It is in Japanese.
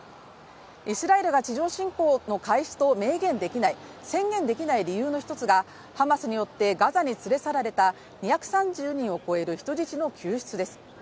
イスラエルが地上侵攻の開始と明言できない、宣言できない理由の１つがハマスによってガザに連れ去られた２３０人を超える人質の救出です。